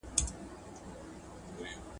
وخت ونیسه،